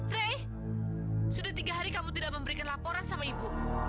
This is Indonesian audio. rey sudah tiga hari kamu tidak memberikan laporan sama ibu